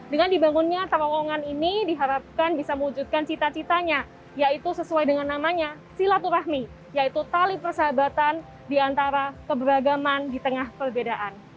dengan dibangunnya terowongan ini diharapkan bisa mewujudkan cita citanya yaitu sesuai dengan namanya silaturahmi yaitu tali persahabatan di antara keberagaman di tengah perbedaan